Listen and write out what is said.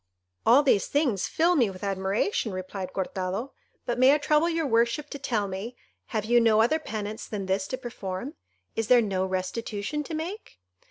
"All these things fill me with admiration," replied Cortado; "but may I trouble your worship to tell me, have you no other penance than this to perform? Is there no restitution to make?"